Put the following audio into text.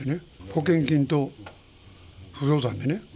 保険金と不動産でね。